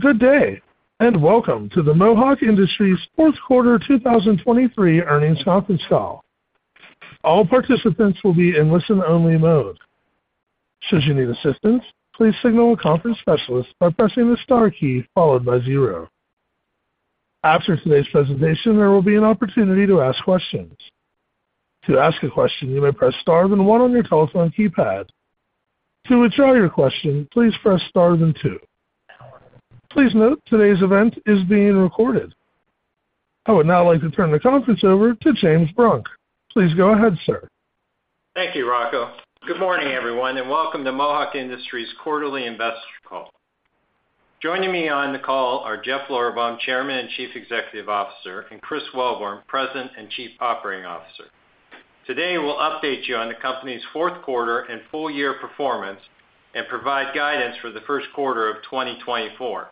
Good day and welcome to the Mohawk Industries' fourth quarter 2023 earnings conference call. All participants will be in listen-only mode. Should you need assistance, please signal a conference specialist by pressing the star key followed by zero. After today's presentation, there will be an opportunity to ask questions. To ask a question, you may press star then one on your telephone keypad. To withdraw your question, please press star then two. Please note, today's event is being recorded. I would now like to turn the conference over to James Brunk. Please go ahead, sir. Thank you, Rocco. Good morning, everyone, and welcome to Mohawk Industries' quarterly investor call. Joining me on the call are Jeff Lorberbaum, Chairman and Chief Executive Officer, and Chris Wellborn, President and Chief Operating Officer. Today we'll update you on the company's fourth quarter and full-year performance and provide guidance for the first quarter of 2024.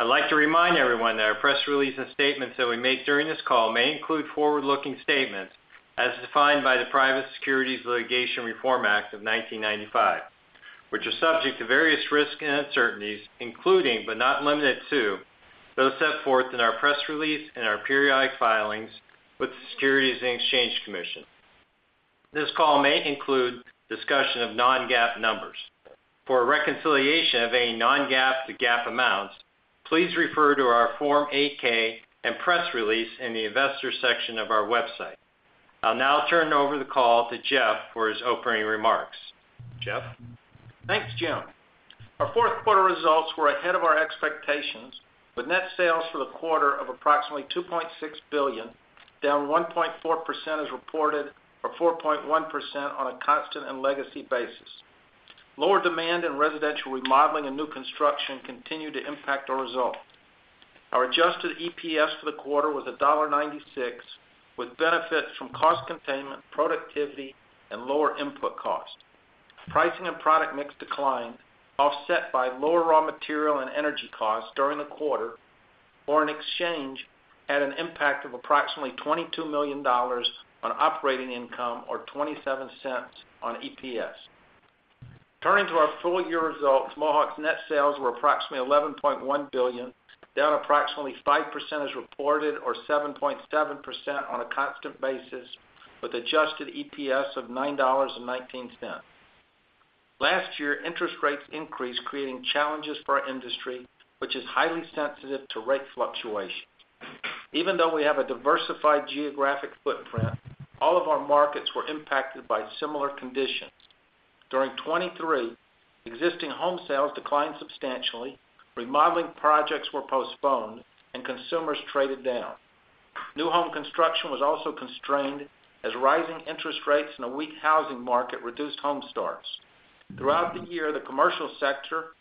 I'd like to remind everyone that our press release and statements that we make during this call may include forward-looking statements as defined by the Private Securities Litigation Reform Act of 1995, which are subject to various risks and uncertainties, including but not limited to, those set forth in our press release and our periodic filings with the Securities and Exchange Commission. This call may include discussion of non-GAAP numbers. For a reconciliation of any non-GAAP to GAAP amounts, please refer to our Form 8-K and press release in the investor section of our website. I'll now turn over the call to Jeff for his opening remarks. Jeff? Thanks, Jim. Our fourth quarter results were ahead of our expectations, with net sales for the quarter of approximately $2.6 billion, down 1.4% as reported, or 4.1% on a constant and legacy basis. Lower demand in residential remodeling and new construction continued to impact our result. Our adjusted EPS for the quarter was $1.96, with benefits from cost containment, productivity, and lower input costs. Pricing and product mix declined, offset by lower raw material and energy costs during the quarter. FX had an impact of approximately $22 million on operating income or $0.27 on EPS. Turning to our full-year results, Mohawk's net sales were approximately $11.1 billion, down approximately 5% as reported, or 7.7% on a constant basis, with adjusted EPS of $9.19. Last year, interest rates increased, creating challenges for our industry, which is highly sensitive to rate fluctuation. Even though we have a diversified geographic footprint, all of our markets were impacted by similar conditions. During 2023, existing home sales declined substantially, remodeling projects were postponed, and consumers traded down. New home construction was also constrained as rising interest rates and a weak housing market reduced home starts. Throughout the year, the commercial sector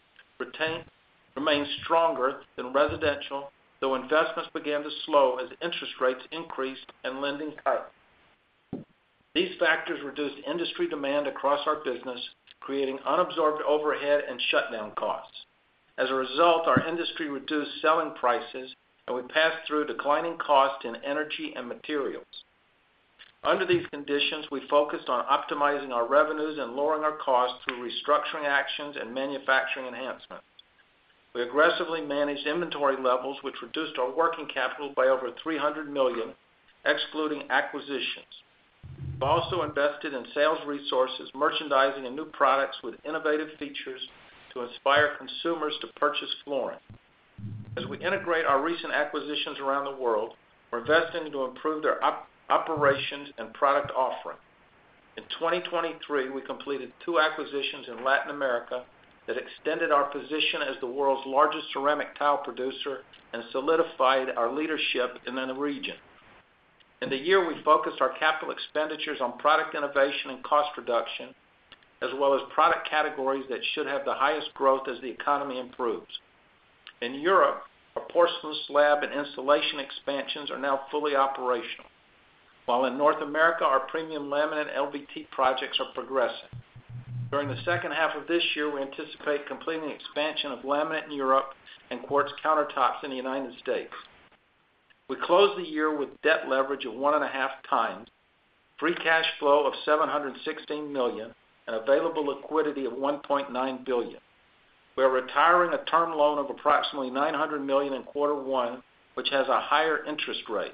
remained stronger than residential, though investments began to slow as interest rates increased and lending tightened. These factors reduced industry demand across our business, creating unabsorbed overhead and shutdown costs. As a result, our industry reduced selling prices, and we passed through declining costs in energy and materials. Under these conditions, we focused on optimizing our revenues and lowering our costs through restructuring actions and manufacturing enhancements. We aggressively managed inventory levels, which reduced our working capital by over $300 million, excluding acquisitions. We also invested in sales resources, merchandising in new products with innovative features to inspire consumers to purchase flooring. As we integrate our recent acquisitions around the world, we're investing to improve their operations and product offering. In 2023, we completed two acquisitions in Latin America that extended our position as the world's largest ceramic tile producer and solidified our leadership in the region. In the year, we focused our capital expenditures on product innovation and cost reduction, as well as product categories that should have the highest growth as the economy improves. In Europe, our porcelain slab and insulation expansions are now fully operational, while in North America, our premium laminate LVT projects are progressing. During the second half of this year, we anticipate completing expansion of laminate in Europe and quartz countertops in the United States. We closed the year with debt leverage of 1.5 times, free cash flow of $716 million, and available liquidity of $1.9 billion. We are retiring a term loan of approximately $900 million in quarter one, which has a higher interest rate.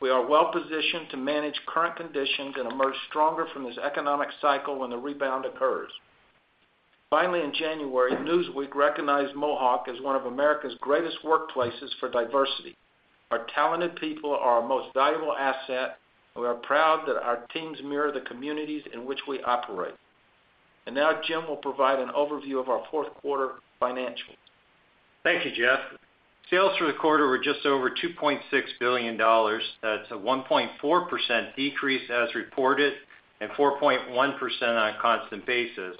We are well-positioned to manage current conditions and emerge stronger from this economic cycle when the rebound occurs. Finally, in January, Newsweek recognized Mohawk as one of America's Greatest Workplaces for Diversity. Our talented people are our most valuable asset, and we are proud that our teams mirror the communities in which we operate. Now, Jim will provide an overview of our fourth quarter financials. Thank you, Jeff. Sales for the quarter were just over $2.6 billion. That's a 1.4% decrease as reported and 4.1% on a constant basis,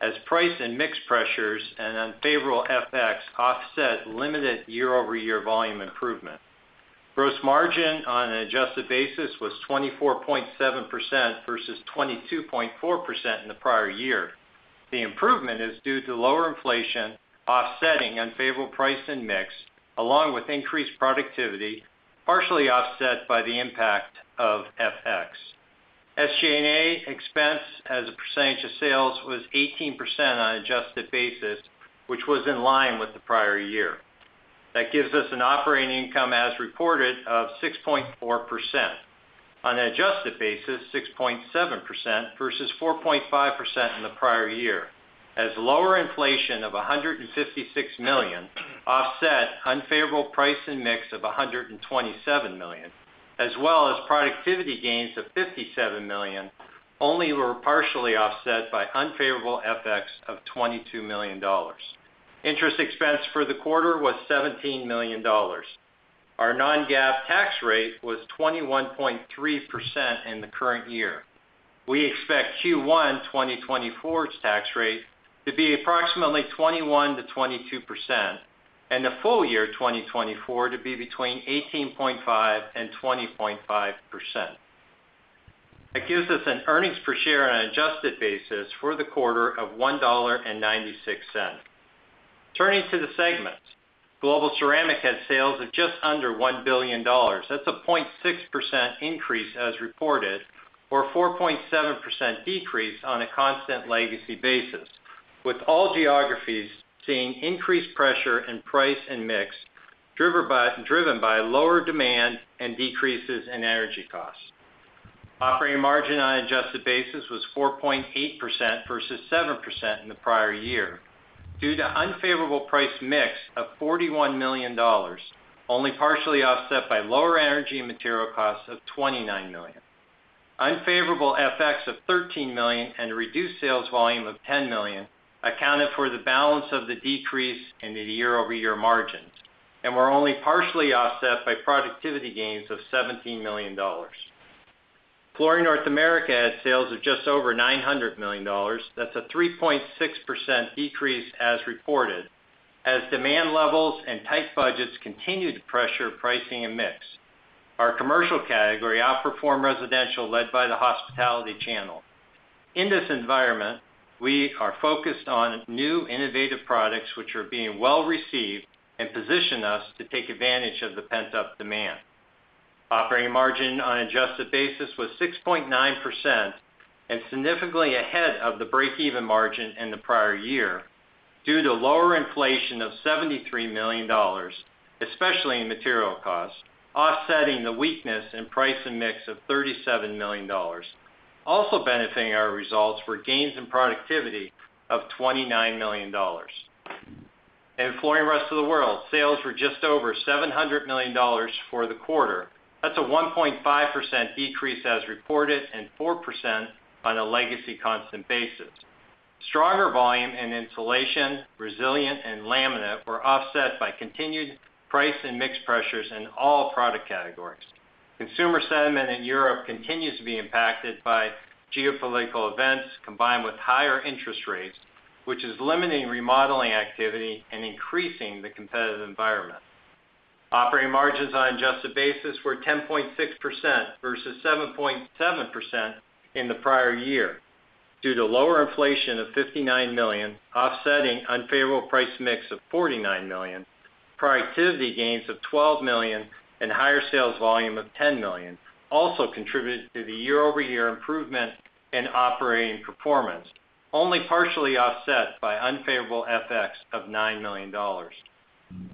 as price and mix pressures and unfavorable FX offset limited year-over-year volume improvement. Gross margin on an adjusted basis was 24.7% versus 22.4% in the prior year. The improvement is due to lower inflation offsetting unfavorable price and mix, along with increased productivity, partially offset by the impact of FX. SG&A expense as a percentage of sales was 18% on an adjusted basis, which was in line with the prior year. That gives us an operating income as reported of 6.4%. On an adjusted basis, 6.7% versus 4.5% in the prior year, as lower inflation of $156 million offset unfavorable price and mix of $127 million, as well as productivity gains of $57 million only were partially offset by unfavorable FX of $22 million. Interest expense for the quarter was $17 million. Our non-GAAP tax rate was 21.3% in the current year. We expect Q1 2024's tax rate to be approximately 21%-22% and the full year 2024 to be between 18.5% and 20.5%. That gives us an earnings per share on an adjusted basis for the quarter of $1.96. Turning to the segments, Global Ceramic had sales of just under $1 billion. That's a 0.6% increase as reported, or a 4.7% decrease on a constant legacy basis, with all geographies seeing increased pressure in price and mix driven by lower demand and decreases in energy costs. Operating margin on an adjusted basis was 4.8% versus 7% in the prior year due to unfavorable price mix of $41 million, only partially offset by lower energy and material costs of $29 million. Unfavorable FX of $13 million and a reduced sales volume of $10 million accounted for the balance of the decrease in the year-over-year margins, and were only partially offset by productivity gains of $17 million. Flooring North America had sales of just over $900 million. That's a 3.6% decrease as reported, as demand levels and tight budgets continue to pressure pricing and mix. Our commercial category outperformed residential led by the hospitality channel. In this environment, we are focused on new innovative products which are being well-received and position us to take advantage of the pent-up demand. Operating margin on an adjusted basis was 6.9% and significantly ahead of the break-even margin in the prior year due to lower inflation of $73 million, especially in material costs, offsetting the weakness in price and mix of $37 million, also benefiting our results for gains in productivity of $29 million. In Flooring Rest of the World, sales were just over $700 million for the quarter. That's a 1.5% decrease as reported and 4% on a legacy constant basis. Stronger volume in insulation, resilient, and laminate were offset by continued price and mix pressures in all product categories. Consumer sentiment in Europe continues to be impacted by geopolitical events combined with higher interest rates, which is limiting remodeling activity and increasing the competitive environment. Operating margins on an adjusted basis were 10.6% versus 7.7% in the prior year due to lower inflation of $59 million, offsetting unfavorable price mix of $49 million, productivity gains of $12 million, and higher sales volume of $10 million, also contributed to the year-over-year improvement in operating performance, only partially offset by unfavorable FX of $9 million.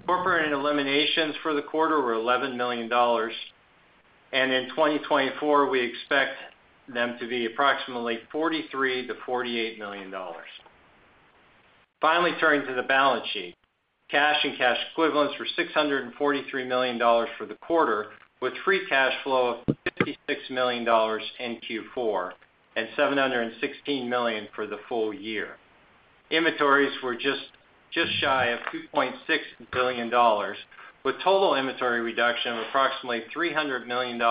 Corporate eliminations for the quarter were $11 million, and in 2024 we expect them to be approximately $43 million-$48 million. Finally, turning to the balance sheet, cash and cash equivalents were $643 million for the quarter, with free cash flow of $56 million in Q4 and $716 million for the full year. Inventories were just shy of $2.6 billion, with total inventory reduction of approximately $300 million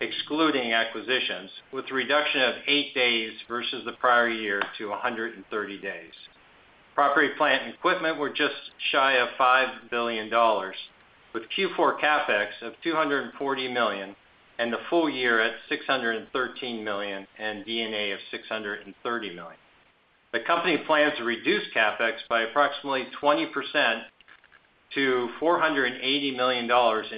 excluding acquisitions, with a reduction of eight days versus the prior year to 130 days. Property, plant, and equipment were just shy of $5 billion, with Q4 CapEx of $240 million and the full year at $613 million and D&A of $630 million. The company plans to reduce CapEx by approximately 20% to $480 million in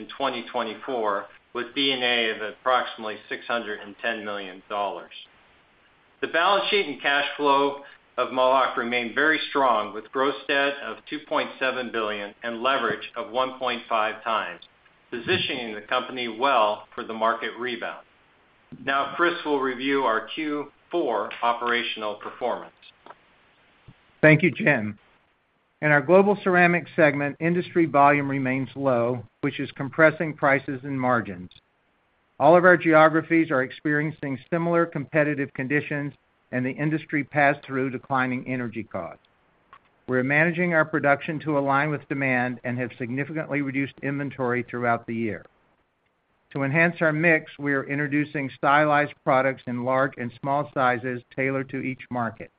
2024, with D&A of approximately $610 million. The balance sheet and cash flow of Mohawk remain very strong, with gross debt of $2.7 billion and leverage of 1.5 times, positioning the company well for the market rebound. Now, Chris will review our Q4 operational performance. Thank you, Jim. In our Global Ceramics segment, industry volume remains low, which is compressing prices and margins. All of our geographies are experiencing similar competitive conditions, and the industry passed through declining energy costs. We're managing our production to align with demand and have significantly reduced inventory throughout the year. To enhance our mix, we are introducing stylized products in large and small sizes tailored to each market.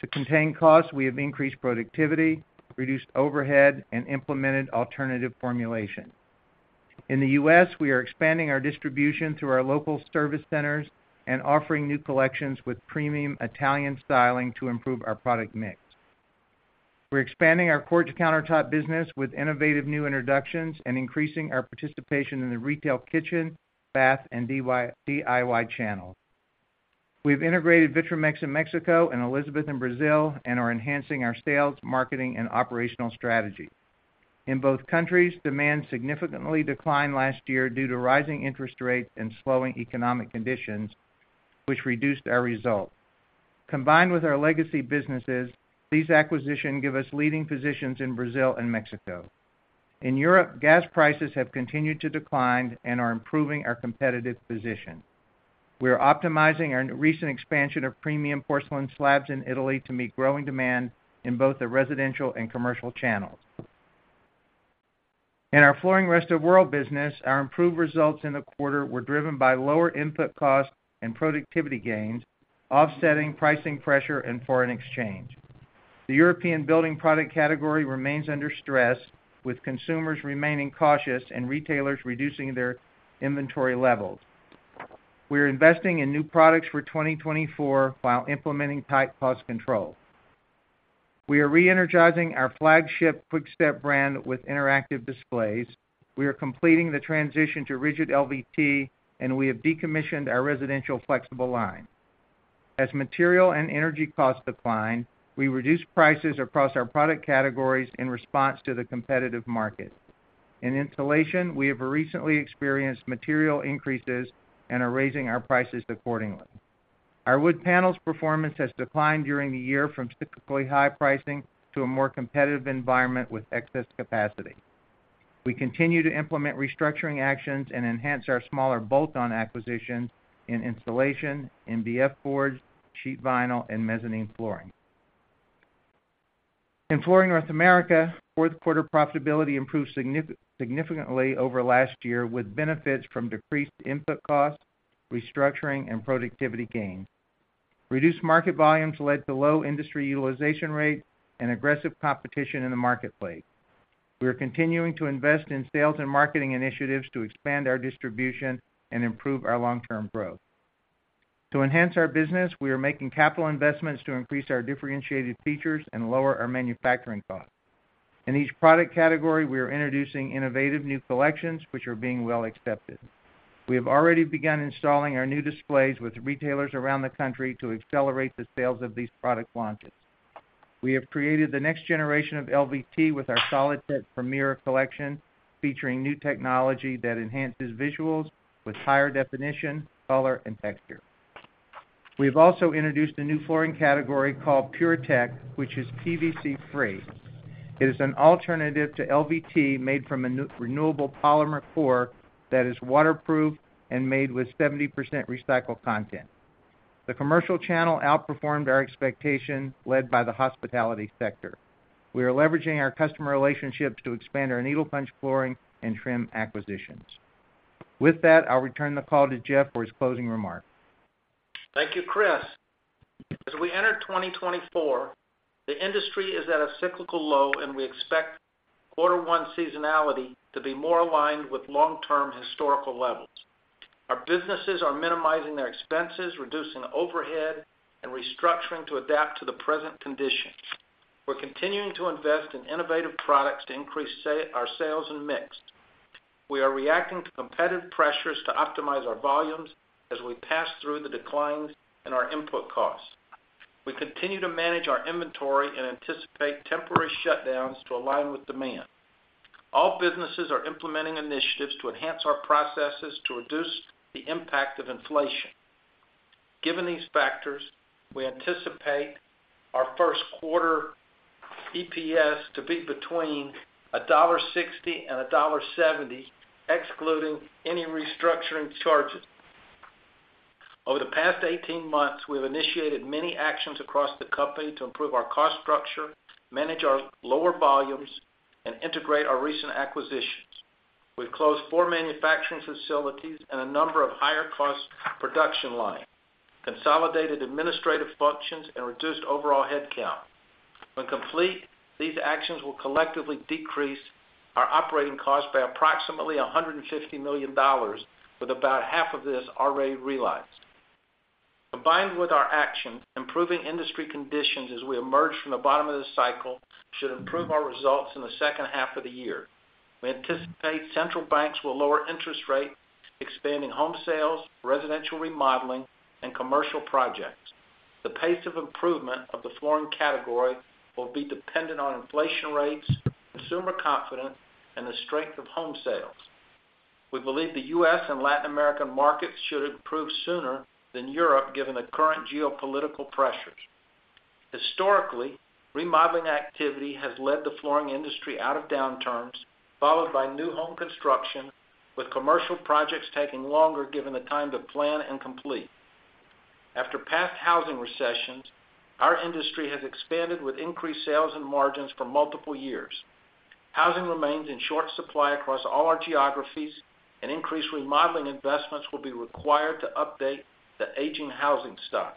To contain costs, we have increased productivity, reduced overhead, and implemented alternative formulations. In the U.S., we are expanding our distribution through our local service centers and offering new collections with premium Italian styling to improve our product mix. We're expanding our quartz countertops business with innovative new introductions and increasing our participation in the retail kitchen, bath, and DIY channels. We've integrated Vitromex in Mexico and Elizabeth in Brazil and are enhancing our sales, marketing, and operational strategy. In both countries, demand significantly declined last year due to rising interest rates and slowing economic conditions, which reduced our result. Combined with our legacy businesses, these acquisitions give us leading positions in Brazil and Mexico. In Europe, gas prices have continued to decline and are improving our competitive position. We are optimizing our recent expansion of premium porcelain slabs in Italy to meet growing demand in both the residential and commercial channels. In our Flooring Rest of the World business, our improved results in the quarter were driven by lower input costs and productivity gains, offsetting pricing pressure and foreign exchange. The European building product category remains under stress, with consumers remaining cautious and retailers reducing their inventory levels. We are investing in new products for 2024 while implementing tight cost control. We are re-energizing our flagship Quick-Step brand with interactive displays. We are completing the transition to rigid LVT, and we have decommissioned our residential flexible line. As material and energy costs decline, we reduce prices across our product categories in response to the competitive market. In insulation, we have recently experienced material increases and are raising our prices accordingly. Our wood panels performance has declined during the year from typically high pricing to a more competitive environment with excess capacity. We continue to implement restructuring actions and enhance our smaller bolt-on acquisitions in insulation, MDF boards, sheet vinyl, and mezzanine flooring. In Flooring North America, fourth quarter profitability improved significantly over last year, with benefits from decreased input costs, restructuring, and productivity gains. Reduced market volumes led to low industry utilization rates and aggressive competition in the marketplace. We are continuing to invest in sales and marketing initiatives to expand our distribution and improve our long-term growth. To enhance our business, we are making capital investments to increase our differentiated features and lower our manufacturing costs. In each product category, we are introducing innovative new collections, which are being well accepted. We have already begun installing our new displays with retailers around the country to accelerate the sales of these product launches. We have created the next generation of LVT with our SolidTech Premier collection, featuring new technology that enhances visuals with higher definition, color, and texture. We have also introduced a new flooring category called PureTech, which is PVC-free. It is an alternative to LVT made from a renewable polymer core that is waterproof and made with 70% recycled content. The commercial channel outperformed our expectation, led by the hospitality sector. We are leveraging our customer relationships to expand our needle punch flooring and trim acquisitions. With that, I'll return the call to Jeff for his closing remarks. Thank you, Chris. As we enter 2024, the industry is at a cyclical low, and we expect quarter one seasonality to be more aligned with long-term historical levels. Our businesses are minimizing their expenses, reducing overhead, and restructuring to adapt to the present conditions. We're continuing to invest in innovative products to increase our sales and mix. We are reacting to competitive pressures to optimize our volumes as we pass through the declines in our input costs. We continue to manage our inventory and anticipate temporary shutdowns to align with demand. All businesses are implementing initiatives to enhance our processes to reduce the impact of inflation. Given these factors, we anticipate our first quarter EPS to be between $1.60-$1.70, excluding any restructuring charges. Over the past 18 months, we have initiated many actions across the company to improve our cost structure, manage our lower volumes, and integrate our recent acquisitions. We've closed four manufacturing facilities and a number of higher-cost production lines, consolidated administrative functions, and reduced overall headcount. When complete, these actions will collectively decrease our operating costs by approximately $150 million, with about half of this already realized. Combined with our actions, improving industry conditions as we emerge from the bottom of the cycle should improve our results in the second half of the year. We anticipate central banks will lower interest rates, expanding home sales, residential remodeling, and commercial projects. The pace of improvement of the flooring category will be dependent on inflation rates, consumer confidence, and the strength of home sales. We believe the U.S. and Latin American markets should improve sooner than Europe, given the current geopolitical pressures. Historically, remodeling activity has led the flooring industry out of downturns, followed by new home construction, with commercial projects taking longer given the time to plan and complete. After past housing recessions, our industry has expanded with increased sales and margins for multiple years. Housing remains in short supply across all our geographies, and increased remodeling investments will be required to update the aging housing stock.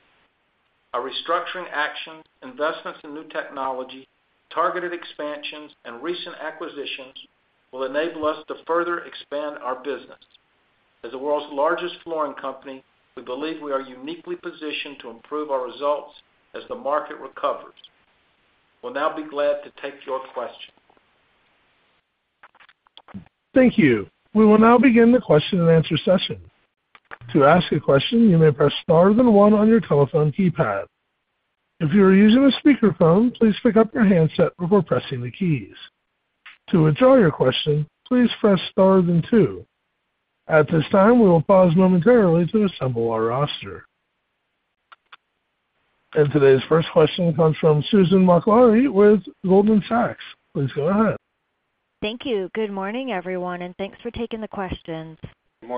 Our restructuring actions, investments in new technology, targeted expansions, and recent acquisitions will enable us to further expand our business. As the world's largest flooring company, we believe we are uniquely positioned to improve our results as the market recovers. We'll now be glad to take your question. Thank you. We will now begin the question and answer session. To ask a question, you may press star, then one on your telephone keypad. If you are using a speakerphone, please pick up your handset before pressing the keys. To withdraw your question, please press star, then two. At this time, we will pause momentarily to assemble our roster. Today's first question comes from Susan Maklari with Goldman Sachs. Please go ahead. Thank you. Good morning, everyone, and thanks for taking the questions. Good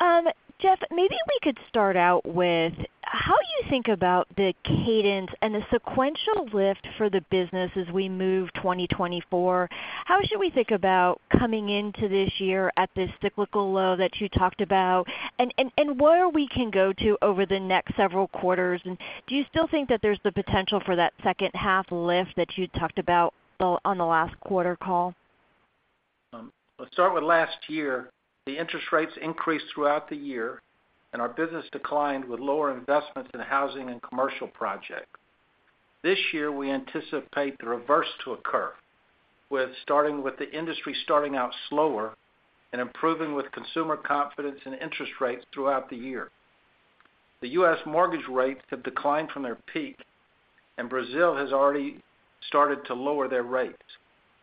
morning. Jeff, maybe we could start out with how you think about the cadence and the sequential lift for the business as we move 2024? How should we think about coming into this year at this cyclical low that you talked about, and where we can go to over the next several quarters? And do you still think that there's the potential for that second half lift that you talked about on the last quarter call? Let's start with last year. The interest rates increased throughout the year, and our business declined with lower investments in housing and commercial projects. This year, we anticipate the reverse to occur, starting with the industry starting out slower and improving with consumer confidence and interest rates throughout the year. The U.S. mortgage rates have declined from their peak, and Brazil has already started to lower their rates.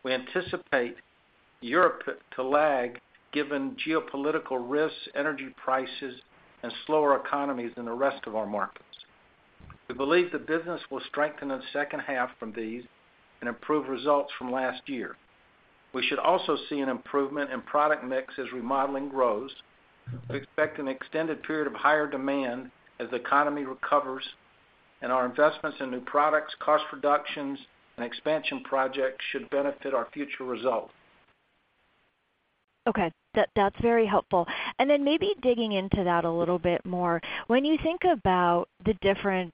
We anticipate Europe to lag, given geopolitical risks, energy prices, and slower economies than the rest of our markets. We believe the business will strengthen in the second half from these and improve results from last year. We should also see an improvement in product mix as remodeling grows. We expect an extended period of higher demand as the economy recovers, and our investments in new products, cost reductions, and expansion projects should benefit our future results. Okay. That's very helpful. And then maybe digging into that a little bit more, when you think about the different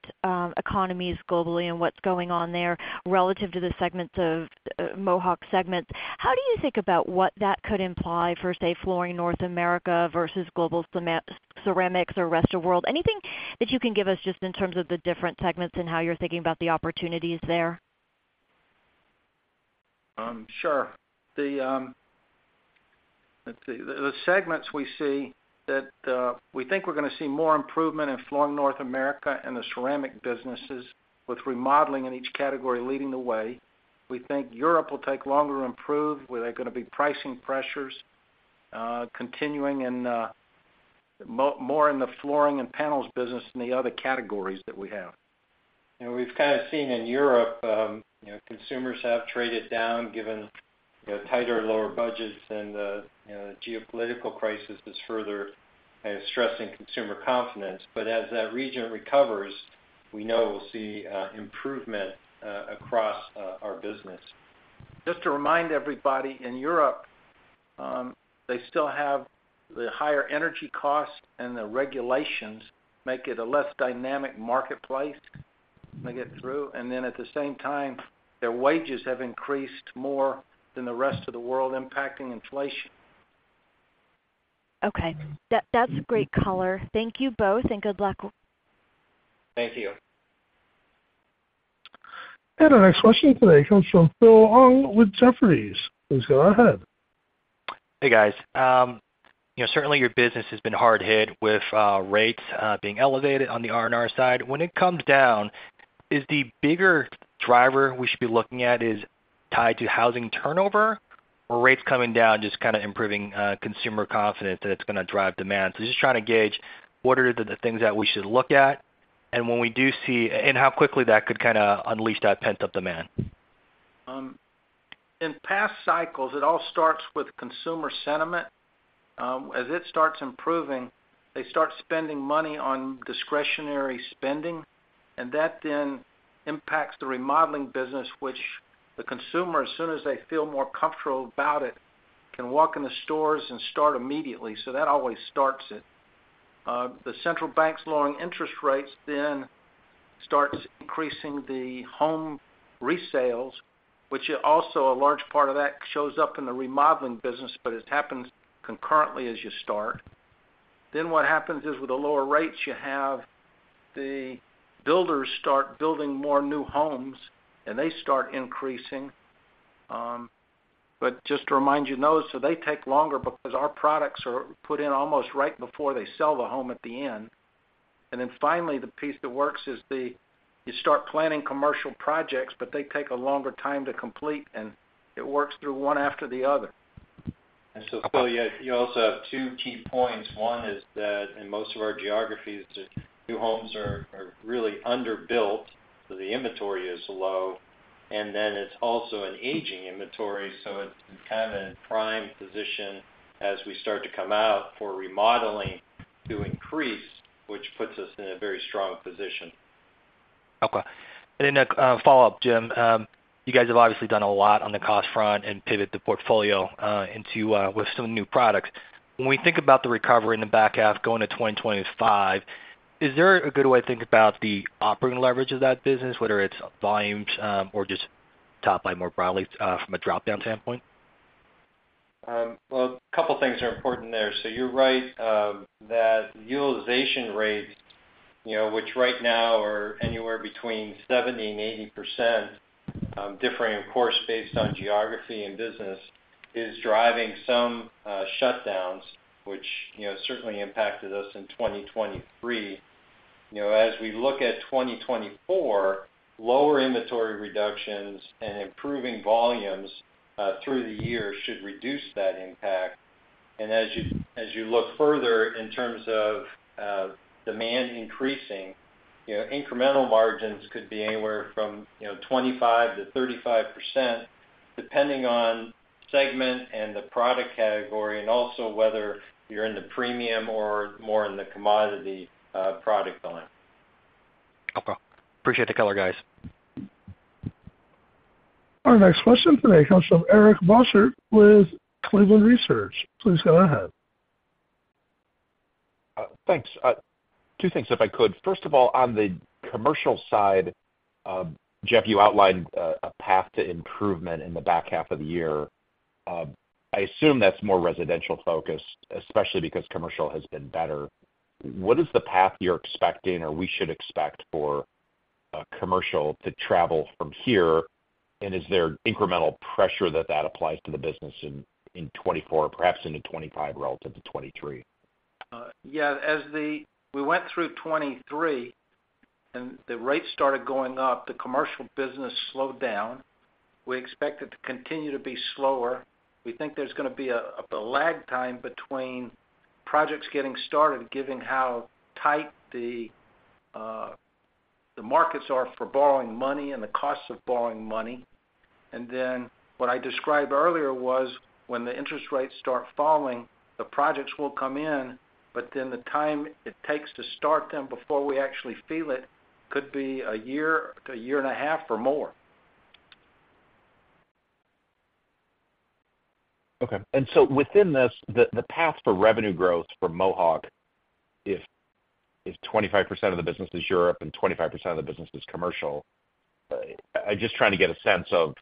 economies globally and what's going on there relative to the Mohawk segments, how do you think about what that could imply for, say, Flooring North America versus Global Ceramic or Flooring Rest of the World? Anything that you can give us just in terms of the different segments and how you're thinking about the opportunities there? Sure. Let's see. The segments we see that we think we're going to see more improvement in Flooring North America and the ceramic businesses, with remodeling in each category leading the way. We think Europe will take longer to improve. There are going to be pricing pressures continuing more in the flooring and panels business than the other categories that we have. We've kind of seen in Europe, consumers have traded down given tighter, lower budgets, and the geopolitical crisis is further stressing consumer confidence. But as that region recovers, we know we'll see improvement across our business. Just to remind everybody, in Europe, they still have the higher energy costs, and the regulations make it a less dynamic marketplace to get through. At the same time, their wages have increased more than the rest of the world, impacting inflation. Okay. That's great color. Thank you both, and good luck. Thank you. Our next question today comes from Phil Ng with Jefferies. Please go ahead. Hey, guys. Certainly, your business has been hard hit with rates being elevated on the R&R side. When it comes down, is the bigger driver we should be looking at tied to housing turnover, or rates coming down just kind of improving consumer confidence that it's going to drive demand? So just trying to gauge, what are the things that we should look at, and when we do see and how quickly that could kind of unleash that pent-up demand? In past cycles, it all starts with consumer sentiment. As it starts improving, they start spending money on discretionary spending, and that then impacts the remodeling business, which the consumer, as soon as they feel more comfortable about it, can walk in the stores and start immediately. So that always starts it. The central bank's lowering interest rates then starts increasing the home resales, which also a large part of that shows up in the remodeling business, but it happens concurrently as you start. Then what happens is, with the lower rates, you have the builders start building more new homes, and they start increasing. But just to remind you notice, so they take longer because our products are put in almost right before they sell the home at the end. And then finally, the piece that works is you start planning commercial projects, but they take a longer time to complete, and it works through one after the other. And so, Phil, you also have two key points. One is that in most of our geographies, new homes are really underbuilt, so the inventory is low. And then it's also an aging inventory, so it's kind of in a prime position as we start to come out for remodeling to increase, which puts us in a very strong position. Okay. And then a follow-up, Jim. You guys have obviously done a lot on the cost front and pivoted the portfolio with some new products. When we think about the recovery in the back half going to 2025, is there a good way to think about the operating leverage of that business, whether it's volumes or just top line more broadly from a drop-down standpoint? Well, a couple of things are important there. So you're right that the utilization rates, which right now are anywhere between 70%-80%, differing, of course, based on geography and business, is driving some shutdowns, which certainly impacted us in 2023. As we look at 2024, lower inventory reductions and improving volumes through the year should reduce that impact. And as you look further in terms of demand increasing, incremental margins could be anywhere from 25%-35%, depending on segment and the product category, and also whether you're in the premium or more in the commodity product line. Okay. Appreciate the color, guys. Our next question today comes from Eric Bosshard with Cleveland Research. Please go ahead. Thanks. Two things, if I could. First of all, on the commercial side, Jeff, you outlined a path to improvement in the back half of the year. I assume that's more residential focused, especially because commercial has been better. What is the path you're expecting, or we should expect, for commercial to travel from here? And is there incremental pressure that that applies to the business in 2024, perhaps into 2025 relative to 2023? Yeah. We went through 2023, and the rates started going up. The commercial business slowed down. We expect it to continue to be slower. We think there's going to be a lag time between projects getting started, given how tight the markets are for borrowing money and the costs of borrowing money. And then what I described earlier was, when the interest rates start falling, the projects will come in, but then the time it takes to start them before we actually feel it could be a year to a year and a half or more. Okay. And so within this, the path for revenue growth for Mohawk, if 25% of the business is Europe and 25% of the business is commercial, I'm just trying to get a sense of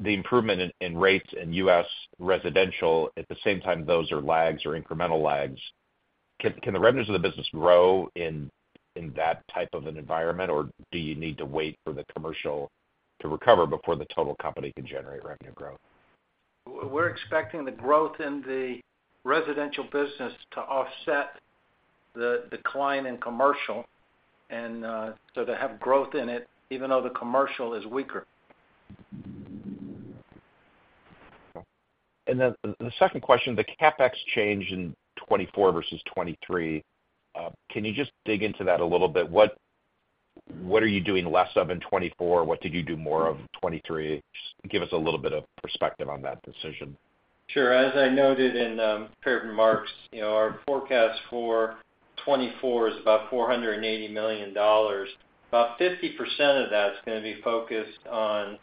the improvement in rates in U.S. residential, at the same time those are lags or incremental lags. Can the revenues of the business grow in that type of an environment, or do you need to wait for the commercial to recover before the total company can generate revenue growth? We're expecting the growth in the residential business to offset the decline in commercial and so to have growth in it, even though the commercial is weaker. And then the second question, the CapEx change in 2024 versus 2023, can you just dig into that a little bit? What are you doing less of in 2024? What did you do more of in 2023? Just give us a little bit of perspective on that decision. Sure. As I noted in forward remarks, our forecast for 2024 is about $480 million. About 50% of that's going to be focused on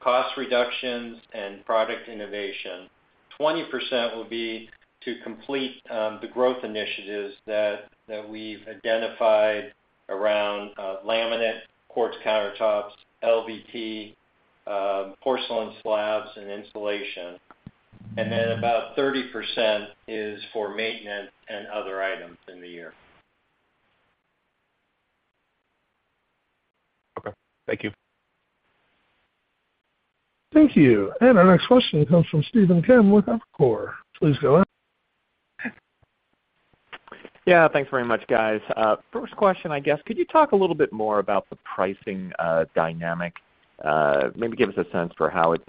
cost reductions and product innovation. 20% will be to complete the growth initiatives that we've identified around laminate, quartz countertops, LVT, porcelain slabs, and insulation. And then about 30% is for maintenance and other items in the year. Okay. Thank you. Thank you. Our next question comes from Stephen Kim with Evercore. Please go ahead. Yeah. Thanks very much, guys. First question, I guess, could you talk a little bit more about the pricing dynamic? Maybe give us a sense for how it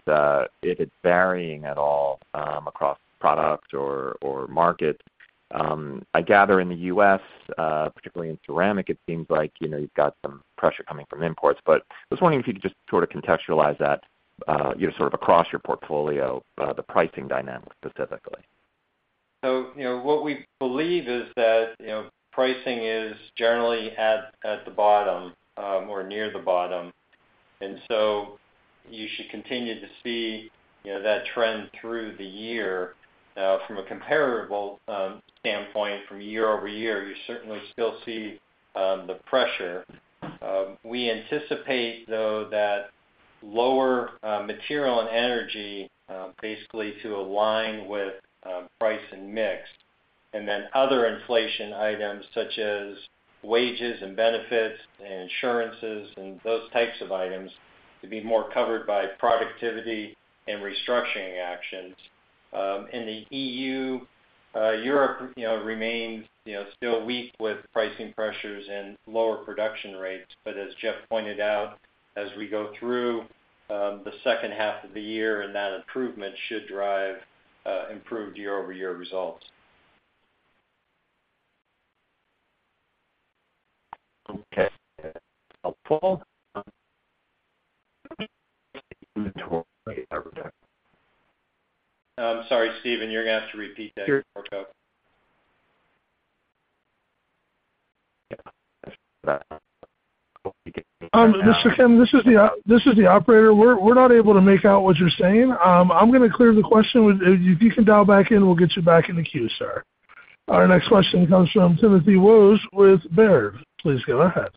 is varying at all across product or market. I gather in the U.S., particularly in ceramic, it seems like you've got some pressure coming from imports. But I was wondering if you could just sort of contextualize that sort of across your portfolio, the pricing dynamic specifically. So what we believe is that pricing is generally at the bottom or near the bottom. And so you should continue to see that trend through the year. From a comparable standpoint, from year-over-year, you certainly still see the pressure. We anticipate, though, that lower material and energy, basically to align with price and mix, and then other inflation items such as wages and benefits and insurances and those types of items to be more covered by productivity and restructuring actions. In the EU, Europe remains still weak with pricing pressures and lower production rates. But as Jeff pointed out, as we go through the second half of the year, that improvement should drive improved year-over-year results. Okay. Helpful. I'm sorry, Stephen. You're going to have to repeat that, Rocco. Yeah. That's what that helps you get me across. Mr. Kim, this is the operator. We're not able to make out what you're saying. I'm going to clear the question. If you can dial back in, we'll get you back in the queue, sir. Our next question comes from Timothy Wojs with Baird. Please go ahead.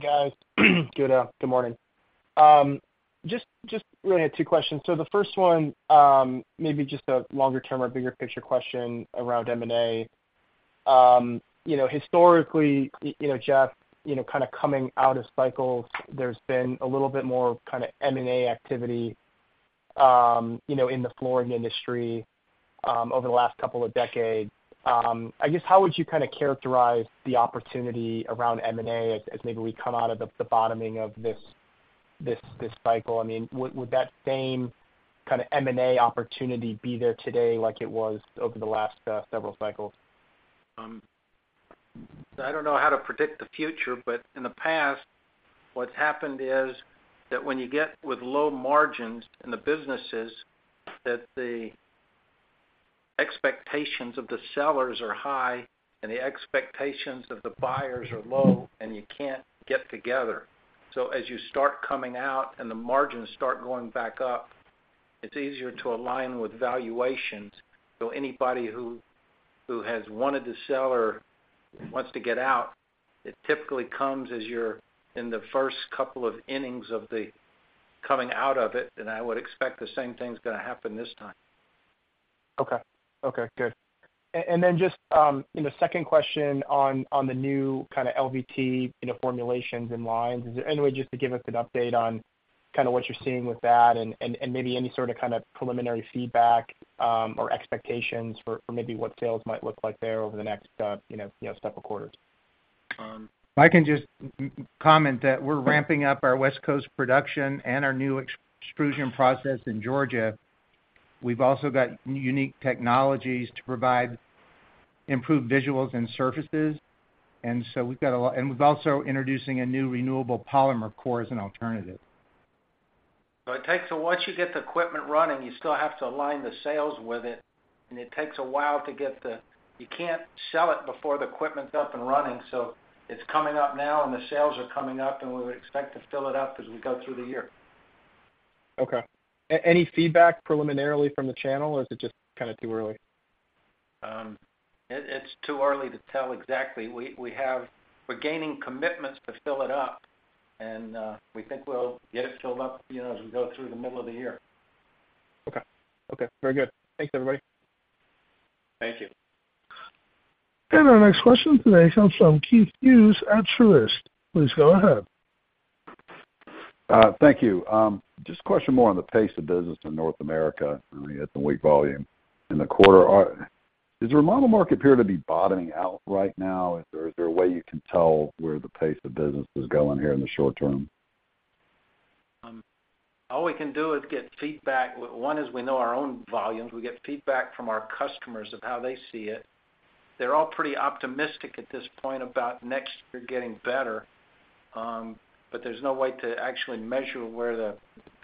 Hey, guys. Good morning. Just really had two questions. So the first one, maybe just a longer-term or bigger-picture question around M&A. Historically, Jeff, kind of coming out of cycles, there's been a little bit more kind of M&A activity in the flooring industry over the last couple of decades. I guess, how would you kind of characterize the opportunity around M&A as maybe we come out of the bottoming of this cycle? I mean, would that same kind of M&A opportunity be there today like it was over the last several cycles? So I don't know how to predict the future, but in the past, what's happened is that when you get with low margins in the businesses, that the expectations of the sellers are high and the expectations of the buyers are low, and you can't get together. So as you start coming out and the margins start going back up, it's easier to align with valuations. So anybody who has wanted to sell or wants to get out, it typically comes as you're in the first couple of innings of coming out of it. And I would expect the same thing's going to happen this time. Okay. Okay. Good. And then just second question on the new kind of LVT formulations and lines. Is there any way just to give us an update on kind of what you're seeing with that and maybe any sort of kind of preliminary feedback or expectations for maybe what sales might look like there over the next step of quarters? I can just comment that we're ramping up our West Coast production and our new extrusion process in Georgia. We've also got unique technologies to provide improved visuals and surfaces. And so we've got a lot and we've also introducing a new renewable polymer core as an alternative. It takes a once you get the equipment running, you still have to align the sales with it. It takes a while to get the you can't sell it before the equipment's up and running. It's coming up now, and the sales are coming up, and we would expect to fill it up as we go through the year. Okay. Any feedback preliminarily from the channel, or is it just kind of too early? It's too early to tell exactly. We're gaining commitments to fill it up, and we think we'll get it filled up as we go through the middle of the year. Okay. Okay. Very good. Thanks, everybody. Thank you. Our next question today comes from Keith Hughes at Truist. Please go ahead. Thank you. Just a question more on the pace of business in North America, I mean, at the weak volume in the quarter. Does the remodel market appear to be bottoming out right now? Is there a way you can tell where the pace of business is going here in the short term? All we can do is get feedback. One is we know our own volumes. We get feedback from our customers of how they see it. They're all pretty optimistic at this point about next year getting better, but there's no way to actually measure where the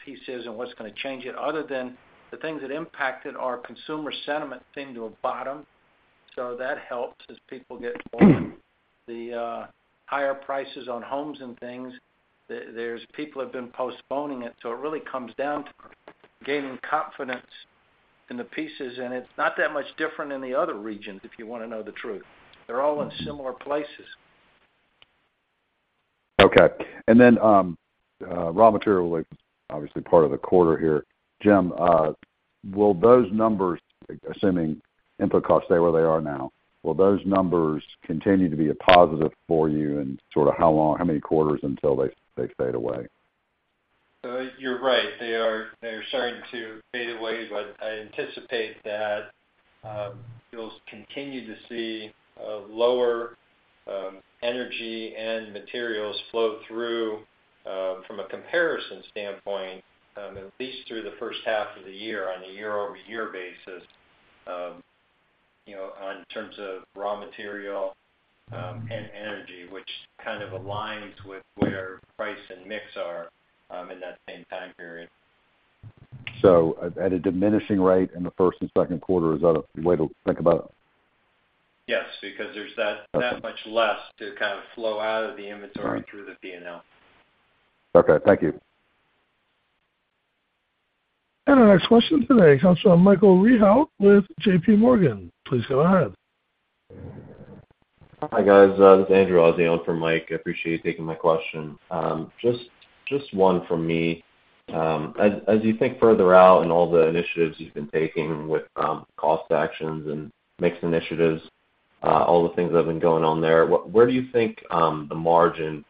piece is and what's going to change it other than the things that impacted our consumer sentiment seem to have bottomed. So that helps as people get bored. The higher prices on homes and things, people have been postponing it. So it really comes down to gaining confidence in the pieces. And it's not that much different in the other regions, if you want to know the truth. They're all in similar places. Okay. And then raw material is obviously part of the quarter here. Jim, will those numbers, assuming input costs stay where they are now, will those numbers continue to be a positive for you in sort of how many quarters until they fade away? You're right. They are starting to fade away, but I anticipate that you'll continue to see lower energy and materials flow through from a comparison standpoint, at least through the first half of the year on a year-over-year basis in terms of raw material and energy, which kind of aligns with where price and mix are in that same time period. At a diminishing rate in the first and second quarter, is that a way to think about it? Yes, because there's that much less to kind of flow out of the inventory through the P&L. Okay. Thank you. Our next question today comes from Michael Rehaut with JPMorgan. Please go ahead. Hi, guys. This is Andrew Azzi on for Mike. I appreciate you taking my question. Just one from me. As you think further out in all the initiatives you've been taking with cost actions and mixed initiatives, all the things that have been going on there, where do you think the margin,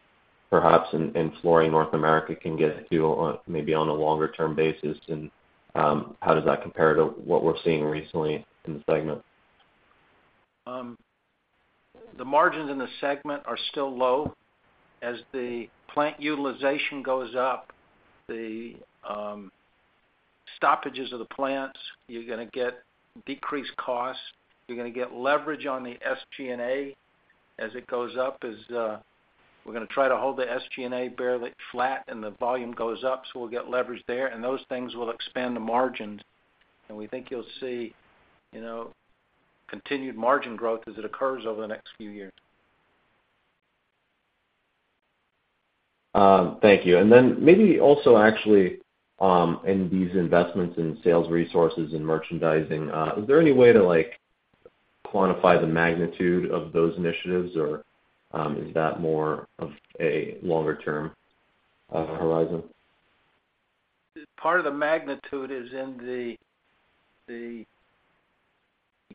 perhaps in Flooring North America, can get to maybe on a longer-term basis? And how does that compare to what we're seeing recently in the segment? The margins in the segment are still low. As the plant utilization goes up, the stoppages of the plants, you're going to get decreased costs. You're going to get leverage on the SG&A as it goes up. We're going to try to hold the SG&A fairly flat and the volume goes up, so we'll get leverage there. And those things will expand the margins. And we think you'll see continued margin growth as it occurs over the next few years. Thank you. And then maybe also actually in these investments in sales resources and merchandising, is there any way to quantify the magnitude of those initiatives, or is that more of a longer-term horizon? Part of the magnitude is in that you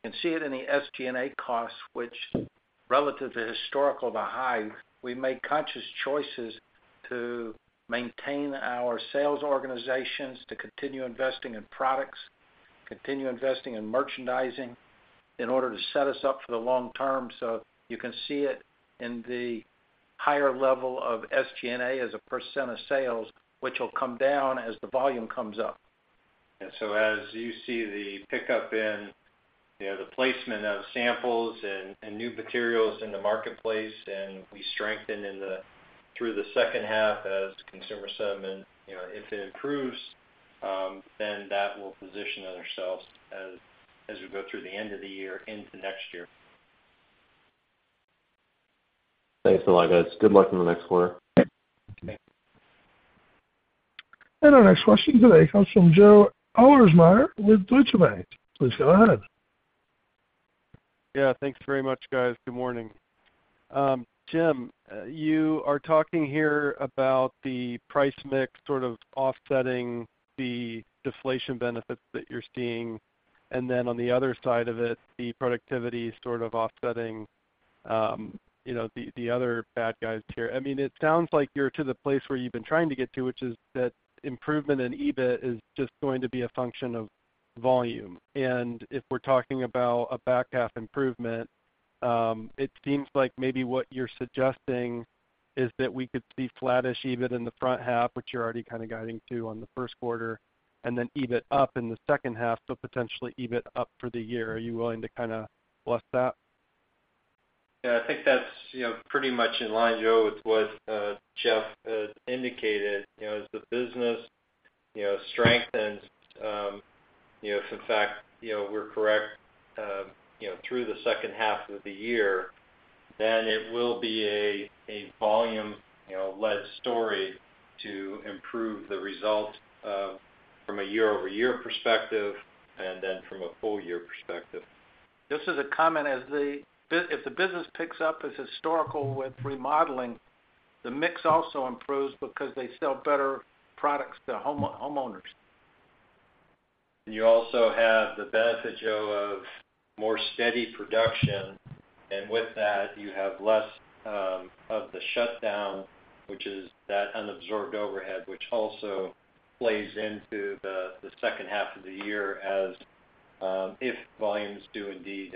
can see it in the SG&A costs, which, relative to historical, are high. We make conscious choices to maintain our sales organizations, to continue investing in products, continue investing in merchandising in order to set us up for the long term. So you can see it in the higher level of SG&A as a percent of sales, which will come down as the volume comes up. And so, as you see, the pickup in the placement of samples and new materials in the marketplace, and we strengthen through the second half as consumer sentiment, if it improves, then that will position ourselves as we go through the end of the year into next year. Thanks a lot, guys. Good luck in the next quarter. Our next question today comes from Joe Ahlersmeyer with Deutsche Bank. Please go ahead. Yeah. Thanks very much, guys. Good morning. Jim, you are talking here about the price mix sort of offsetting the deflation benefits that you're seeing, and then on the other side of it, the productivity sort of offsetting the other bad guys here. I mean, it sounds like you're to the place where you've been trying to get to, which is that improvement in EBIT is just going to be a function of volume. And if we're talking about a back half improvement, it seems like maybe what you're suggesting is that we could see flat-ish EBIT in the front half, which you're already kind of guiding to on the first quarter, and then EBIT up in the second half, so potentially EBIT up for the year. Are you willing to kind of bless that? Yeah. I think that's pretty much in line, Joe, with what Jeff indicated. As the business strengthens, if, in fact, we're correct, through the second half of the year, then it will be a volume-led story to improve the results from a year-over-year perspective and then from a full-year perspective. Just as a comment, if the business picks up as historical with remodeling, the mix also improves because they sell better products to homeowners. You also have the benefit, Joe, of more steady production. With that, you have less of the shutdown, which is that unabsorbed overhead, which also plays into the second half of the year if volumes do indeed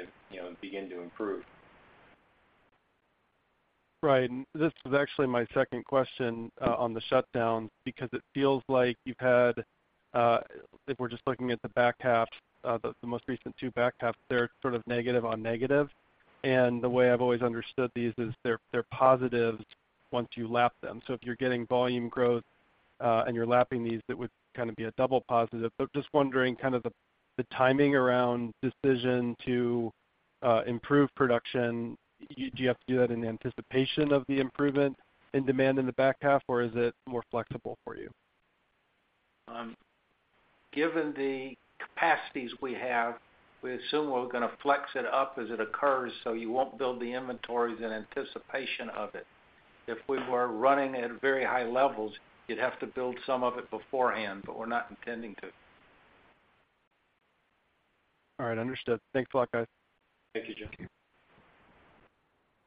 begin to improve. Right. And this was actually my second question on the shutdowns because it feels like you've had if we're just looking at the back halves, the most recent two back halves, they're sort of negative on negative. And the way I've always understood these is they're positives once you lap them. So if you're getting volume growth and you're lapping these, it would kind of be a double positive. But just wondering kind of the timing around decision to improve production, do you have to do that in anticipation of the improvement in demand in the back half, or is it more flexible for you? Given the capacities we have, we assume we're going to flex it up as it occurs, so you won't build the inventories in anticipation of it. If we were running at very high levels, you'd have to build some of it beforehand, but we're not intending to. All right. Understood. Thanks a lot, guys. Thank you, Joe.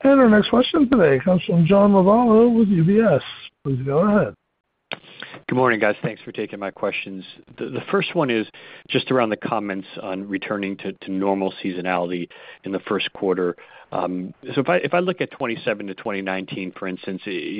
Our next question today comes from John Lovallo with UBS. Please go ahead. Good morning, guys. Thanks for taking my questions. The first one is just around the comments on returning to normal seasonality in the first quarter. So if I look at 2017 to 2019, for instance, is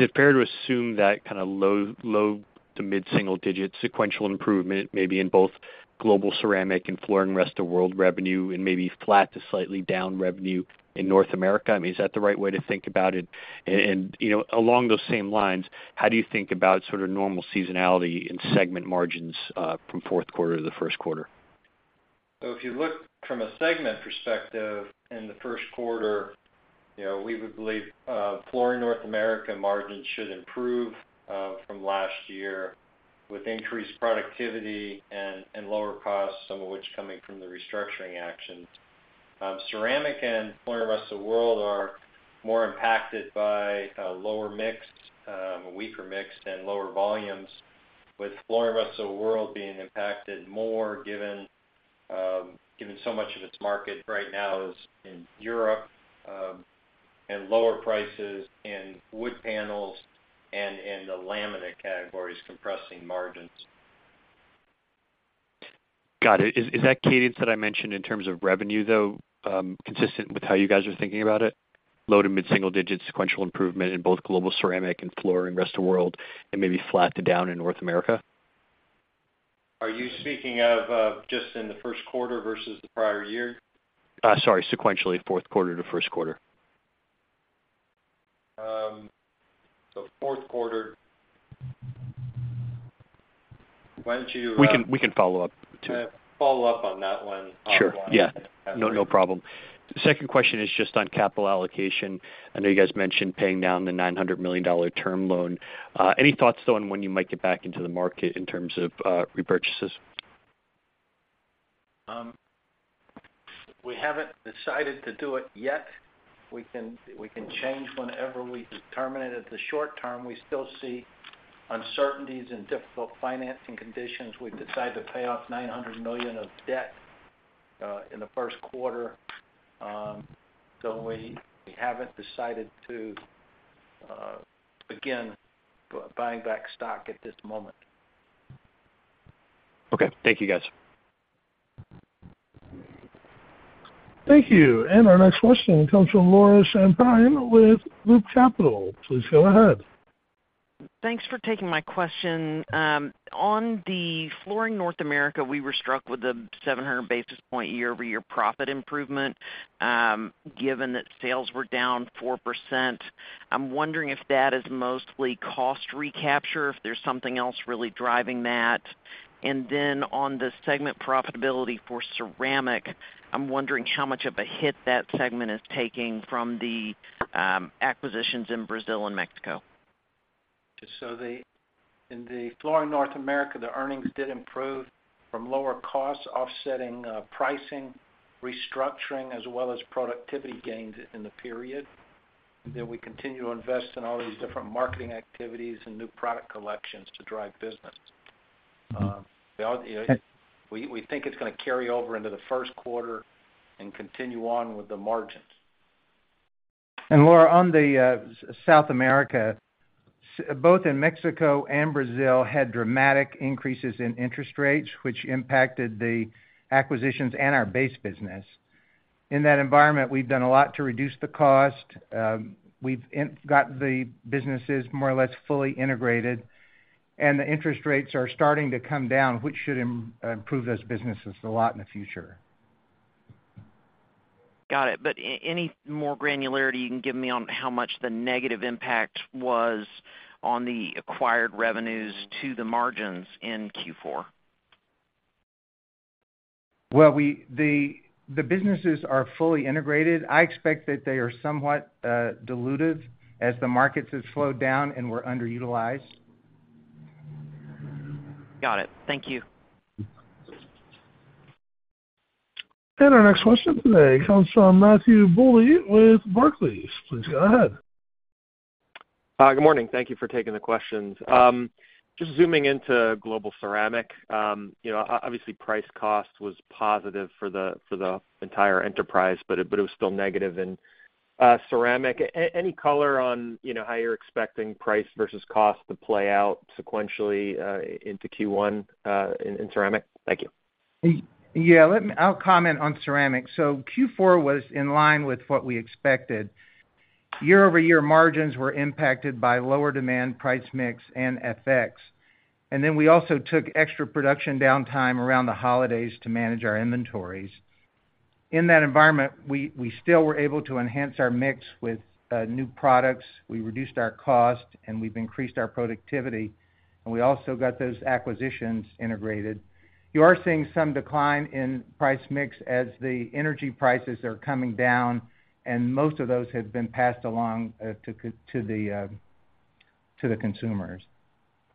it fair to assume that kind of low to mid-single-digit sequential improvement maybe in both Global Ceramic and Flooring Rest of the World revenue and maybe flat to slightly down revenue in North America? I mean, is that the right way to think about it? And along those same lines, how do you think about sort of normal seasonality and segment margins from fourth quarter to the first quarter? If you look from a segment perspective in the first quarter, we would believe Flooring North America margins should improve from last year with increased productivity and lower costs, some of which coming from the restructuring actions. Ceramic and Flooring Rest of the World are more impacted by lower mix, weaker mix, and lower volumes, with Flooring Rest of the World being impacted more given so much of its market right now is in Europe and lower prices in wood panels and in the laminate categories compressing margins. Got it. Is that cadence that I mentioned in terms of revenue, though, consistent with how you guys are thinking about it? Low to mid-single-digit sequential improvement in both Global Ceramic and Flooring Rest of the World and maybe flat to down in North America? Are you speaking of just in the first quarter versus the prior year? Sorry. Sequentially, fourth quarter to first quarter. Fourth quarter, why don't you? We can follow up too. Follow up on that one. Sure. Yeah. No problem. Second question is just on capital allocation. I know you guys mentioned paying down the $900 million term loan. Any thoughts, though, on when you might get back into the market in terms of repurchases? We haven't decided to do it yet. We can change whenever we determine. At the short term, we still see uncertainties and difficult financing conditions. We've decided to pay off $900 million of debt in the first quarter. We haven't decided to begin buying back stock at this moment. Okay. Thank you, guys. Thank you. Our next question comes from Laura Champine with Loop Capital. Please go ahead. Thanks for taking my question. On the Flooring North America, we were struck with the 700 basis point year-over-year profit improvement given that sales were down 4%. I'm wondering if that is mostly cost recapture, if there's something else really driving that. And then on the segment profitability for ceramic, I'm wondering how much of a hit that segment is taking from the acquisitions in Brazil and Mexico. In the Flooring North America, the earnings did improve from lower costs offsetting pricing, restructuring, as well as productivity gains in the period. Then we continue to invest in all these different marketing activities and new product collections to drive business. We think it's going to carry over into the first quarter and continue on with the margins. And Laura, on the South America, both in Mexico and Brazil had dramatic increases in interest rates, which impacted the acquisitions and our base business. In that environment, we've done a lot to reduce the cost. We've got the businesses more or less fully integrated, and the interest rates are starting to come down, which should improve those businesses a lot in the future. Got it. But any more granularity you can give me on how much the negative impact was on the acquired revenues to the margins in Q4? Well, the businesses are fully integrated. I expect that they are somewhat diluted as the markets have slowed down and we're underutilized. Got it. Thank you. Our next question today comes from Matthew Bouley with Barclays. Please go ahead. Good morning. Thank you for taking the questions. Just zooming into Global Ceramic, obviously, price cost was positive for the entire enterprise, but it was still negative in Ceramic. Any color on how you're expecting price versus cost to play out sequentially into Q1 in ceramic? Thank you. Yeah. I'll comment on Ceramic. So Q4 was in line with what we expected. Year-over-year margins were impacted by lower demand, price mix, and FX. And then we also took extra production downtime around the holidays to manage our inventories. In that environment, we still were able to enhance our mix with new products. We reduced our cost, and we've increased our productivity. And we also got those acquisitions integrated. You are seeing some decline in price mix as the energy prices are coming down, and most of those have been passed along to the consumers.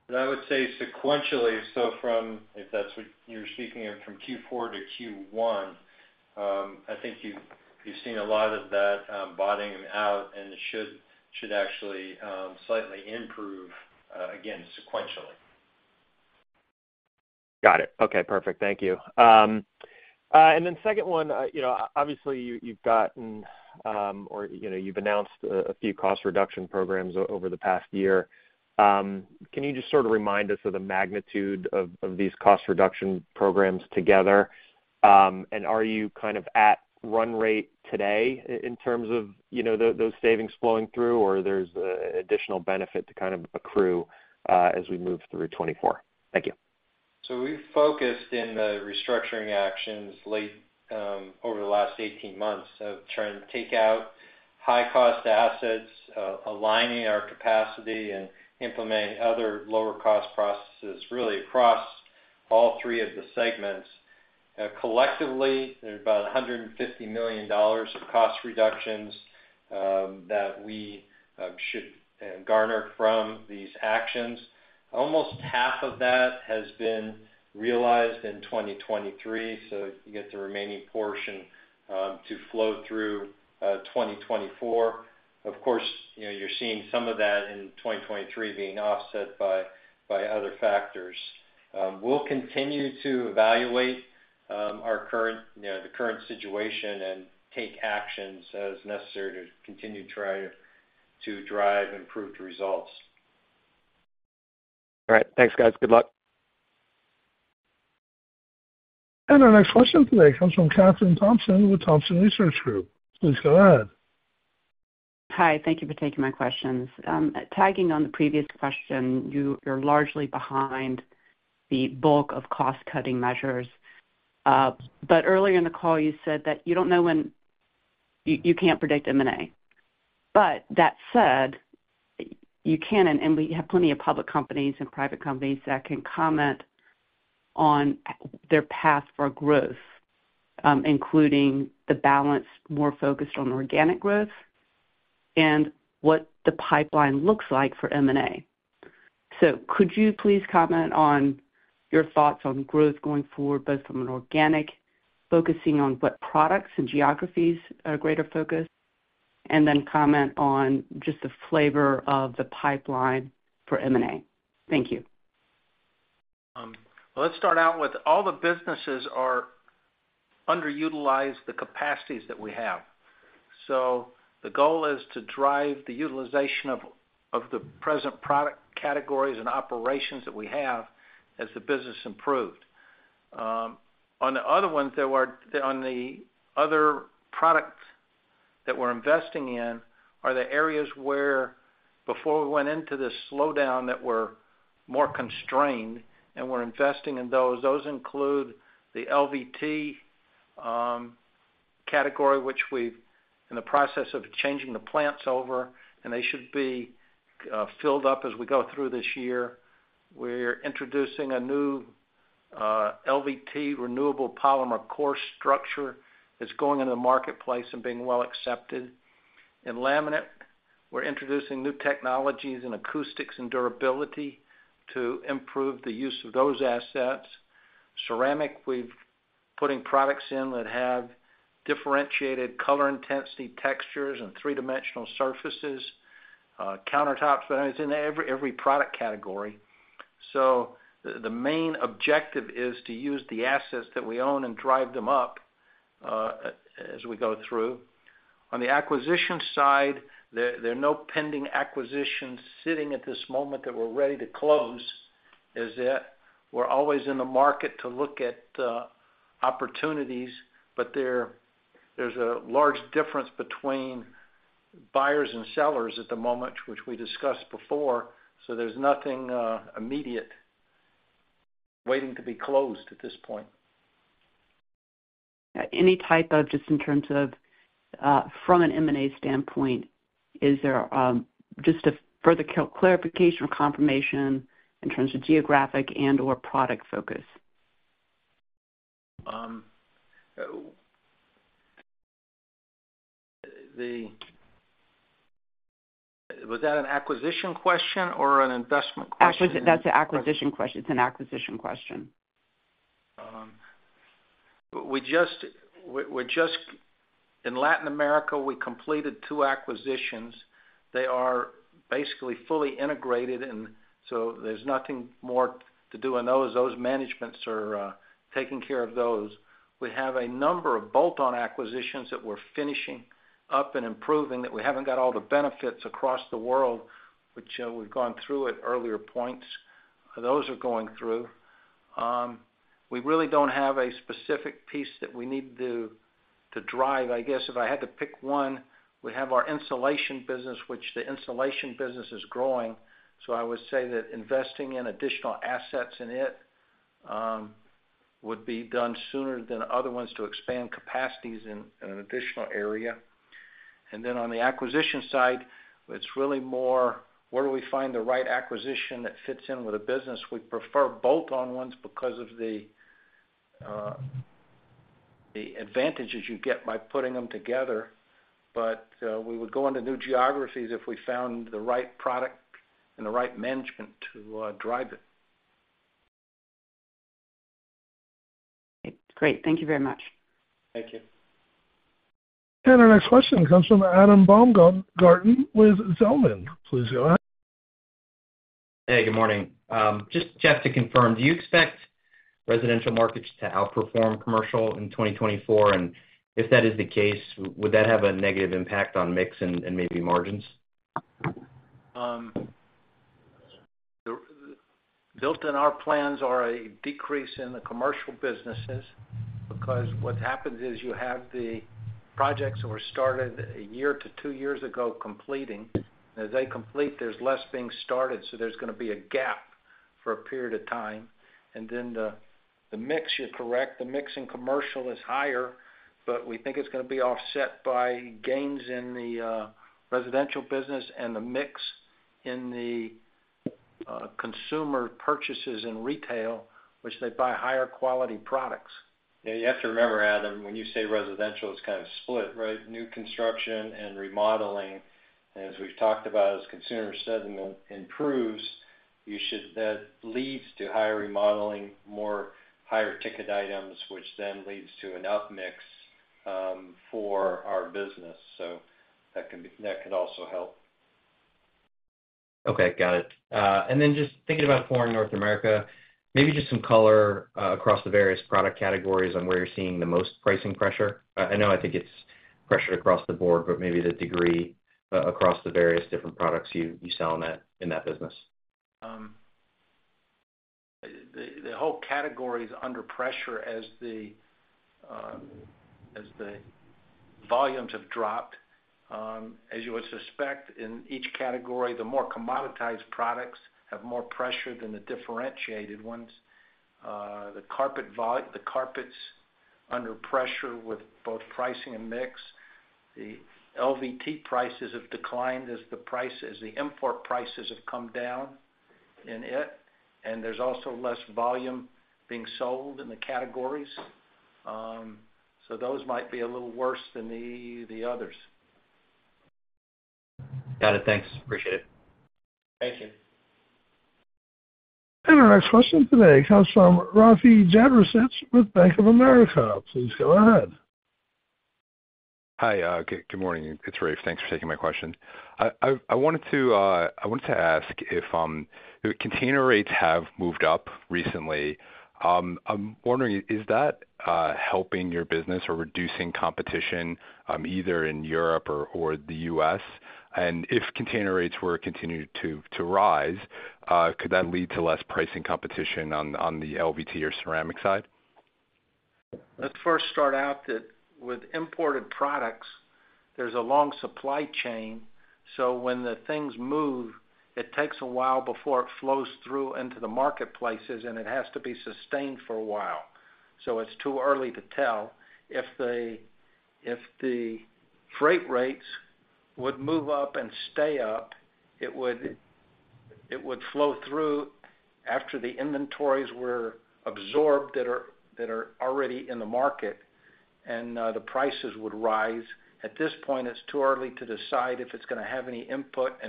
I would say sequentially, so if that's what you're speaking of, from Q4 to Q1, I think you've seen a lot of that bottoming out, and it should actually slightly improve, again, sequentially. Got it. Okay. Perfect. Thank you. And then second one, obviously, you've gotten or you've announced a few cost reduction programs over the past year. Can you just sort of remind us of the magnitude of these cost reduction programs together? And are you kind of at run rate today in terms of those savings flowing through, or there's additional benefit to kind of accrue as we move through 2024? Thank you. We've focused in the restructuring actions over the last 18 months of trying to take out high-cost assets, aligning our capacity, and implementing other lower-cost processes really across all three of the segments. Collectively, there's about $150 million of cost reductions that we should garner from these actions. Almost half of that has been realized in 2023, so you get the remaining portion to flow through 2024. Of course, you're seeing some of that in 2023 being offset by other factors. We'll continue to evaluate the current situation and take actions as necessary to continue to try to drive improved results. All right. Thanks, guys. Good luck. Our next question today comes from Kathryn Thompson with Thompson Research Group. Please go ahead. Hi. Thank you for taking my questions. Tagging on the previous question, you're largely behind the bulk of cost-cutting measures. But earlier in the call, you said that you don't know when you can't predict M&A. But that said, you can, and we have plenty of public companies and private companies that can comment on their path for growth, including the balance more focused on organic growth and what the pipeline looks like for M&A. So could you please comment on your thoughts on growth going forward, both from an organic focusing on what products and geographies are a greater focus, and then comment on just the flavor of the pipeline for M&A? Thank you. Well, let's start out with all the businesses are underutilizing the capacities that we have. So the goal is to drive the utilization of the present product categories and operations that we have as the business improves. On the other ones, on the other products that we're investing in, are the areas where before we went into this slowdown that were more constrained, and we're investing in those. Those include the LVT category, which we're in the process of changing the plants over, and they should be filled up as we go through this year. We're introducing a new LVT renewable polymer core structure that's going into the marketplace and being well accepted. In laminate, we're introducing new technologies in acoustics and durability to improve the use of those assets. Ceramic, we've been putting products in that have differentiated color intensity textures and three-dimensional surfaces, countertops, but I mean, it's in every product category. So the main objective is to use the assets that we own and drive them up as we go through. On the acquisition side, there are no pending acquisitions sitting at this moment that we're ready to close. We're always in the market to look at opportunities, but there's a large difference between buyers and sellers at the moment, which we discussed before. So there's nothing immediate waiting to be closed at this point. Any type of just in terms of from an M&A standpoint, is there just a further clarification or confirmation in terms of geographic and/or product focus? Was that an acquisition question or an investment question? That's an acquisition question. It's an acquisition question. In Latin America, we completed two acquisitions. They are basically fully integrated, and so there's nothing more to do in those. Those managements are taking care of those. We have a number of bolt-on acquisitions that we're finishing up and improving that we haven't got all the benefits across the world, which we've gone through at earlier points. Those are going through. We really don't have a specific piece that we need to drive. I guess if I had to pick one, we have our insulation business, which the insulation business is growing. So I would say that investing in additional assets in it would be done sooner than other ones to expand capacities in an additional area. And then on the acquisition side, it's really more where do we find the right acquisition that fits in with a business? We prefer bolt-on ones because of the advantages you get by putting them together, but we would go into new geographies if we found the right product and the right management to drive it. Great. Thank you very much. Thank you. Our next question comes from Adam Baumgarten with Zelman. Please go ahead. Hey. Good morning. Just Jeff, to confirm, do you expect residential markets to outperform commercial in 2024? If that is the case, would that have a negative impact on mix and maybe margins? into our plans are a decrease in the commercial businesses because what happens is you have the projects that were started one year to two years ago completing, and as they complete, there's less being started. So there's going to be a gap for a period of time. And then the mix, you're correct. The mix in commercial is higher, but we think it's going to be offset by gains in the residential business and the mix in the consumer purchases in retail, which they buy higher-quality products. Yeah. You have to remember, Adam, when you say residential, it's kind of split, right? New construction and remodeling. And as we've talked about, as consumer sentiment improves, that leads to higher remodeling, more higher-ticket items, which then leads to an up mix for our business. So that could also help. Okay. Got it. And then just thinking about Flooring North America, maybe just some color across the various product categories on where you're seeing the most pricing pressure. I know I think it's pressured across the board, but maybe the degree across the various different products you sell in that business. The whole category is under pressure as the volumes have dropped. As you would suspect, in each category, the more commoditized products have more pressure than the differentiated ones. The carpets under pressure with both pricing and mix. The LVT prices have declined as the import prices have come down in it, and there's also less volume being sold in the categories. So those might be a little worse than the others. Got it. Thanks. Appreciate it. Thank you. Our next question today comes from Rafe Jadrosich with Bank of America. Please go ahead. Hi. Good morning. It's Rafe. Thanks for taking my question. I wanted to ask if container rates have moved up recently. I'm wondering, is that helping your business or reducing competition either in Europe or the U.S.? And if container rates were to continue to rise, could that lead to less pricing competition on the LVT or ceramic side? Let's first start out that with imported products, there's a long supply chain. So when the things move, it takes a while before it flows through into the marketplaces, and it has to be sustained for a while. So it's too early to tell. If the freight rates would move up and stay up, it would flow through after the inventories were absorbed that are already in the market, and the prices would rise. At this point, it's too early to decide if it's going to have any impact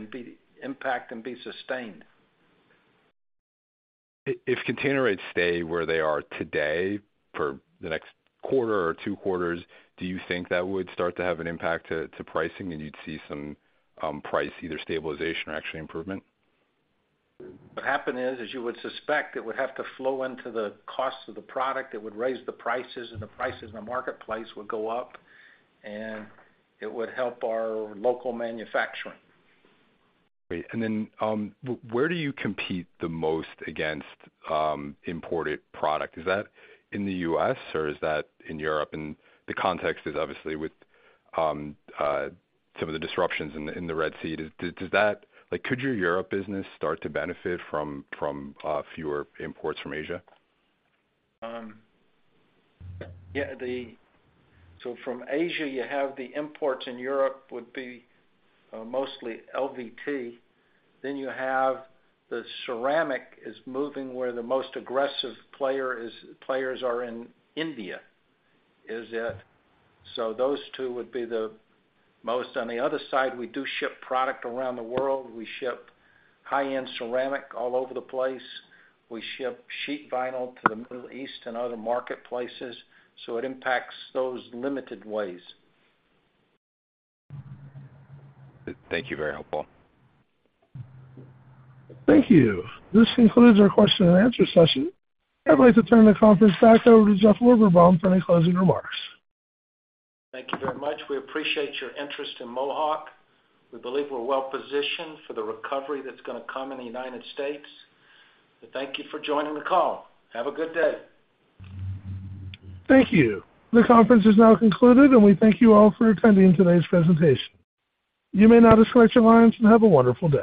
and be sustained. If container rates stay where they are today for the next quarter or two quarters, do you think that would start to have an impact to pricing, and you'd see some price either stabilization or actually improvement? What happened is, as you would suspect, it would have to flow into the costs of the product. It would raise the prices, and the prices in the marketplace would go up, and it would help our local manufacturing. Great. And then where do you compete the most against imported product? Is that in the U.S., or is that in Europe? And the context is obviously with some of the disruptions in the Red Sea. Could your Europe business start to benefit from fewer imports from Asia? Yeah. So from Asia, you have the imports in Europe would be mostly LVT. Then you have the ceramic is moving where the most aggressive players are in India. So those two would be the most. On the other side, we do ship product around the world. We ship high-end ceramic all over the place. We ship sheet vinyl to the Middle East and other marketplaces. So it impacts those limited ways. Thank you. Very helpful. Thank you. This concludes our question-and-answer session. I'd like to turn the conference back over to Jeff Lorberbaum for any closing remarks. Thank you very much. We appreciate your interest in Mohawk. We believe we're well positioned for the recovery that's going to come in the United States. So thank you for joining the call. Have a good day. Thank you. The conference is now concluded, and we thank you all for attending today's presentation. You may now disconnect your lines and have a wonderful day.